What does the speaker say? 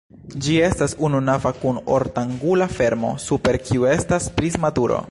Ĝi estas ununava kun ortangula fermo, super kiu estas prisma turo.